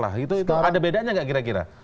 ada bedanya nggak kira kira